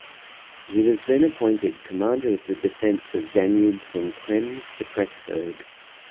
He was then appointed commander of the defense of Danube from Krems to Pressburg.